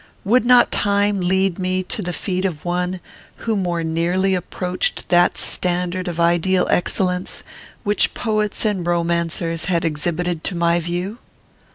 Would not time lead me to the feet of one who more nearly approached that standard of ideal excellence which poets and romancers had exhibited to my view?